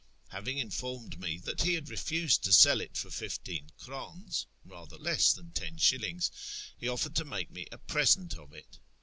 Having informed me that he had refused to sell it for fifteen krdns (rather less than ten shillings), he offered to make me a present of it.